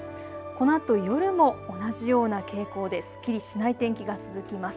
このあと夜も同じような傾向ですっきりしない天気が続きます。